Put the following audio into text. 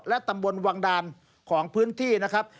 และตำบลวังดานของพื้นที่นะครับ